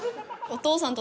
お父さん。